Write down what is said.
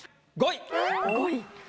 ５位。